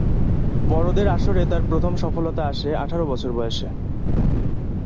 বড়দের আসরে তার প্রথম সফলতা আসে আঠারো বছর বয়সে।